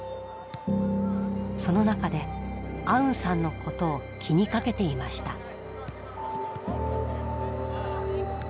その中でアウンさんのことを気にかけていました。